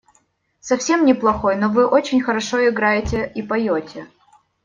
Совсем не плохой, но вы очень хорошо играете и поете.